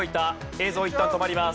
映像いったん止まります。